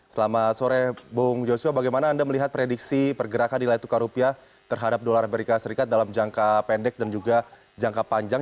selamat sore bung joshua bagaimana anda melihat prediksi pergerakan nilai tukar rupiah terhadap dolar amerika serikat dalam jangka pendek dan juga jangka panjang